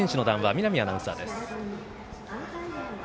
みなみアナウンサーです。